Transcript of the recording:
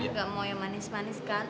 nggak mau yang manis manis kan